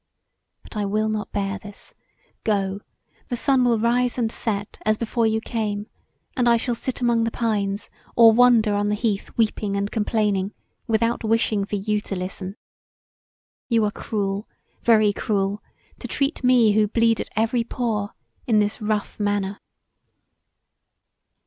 But I will not bear this; go: the sun will rise and set as before you came, and I shall sit among the pines or wander on the heath weeping and complaining without wishing for you to listen. You are cruel, very cruel, to treat me who bleed at every pore in this rough manner."